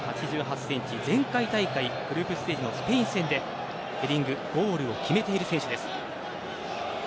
前回大会グループステージのスペイン戦でヘディング、ゴールを決めている選手です。